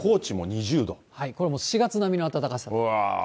これもう、４月並みの暖かさ。